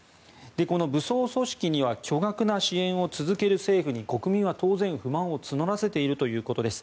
この武装組織には巨額な支援を続ける政府に国民は当然、不満を募らせているということです。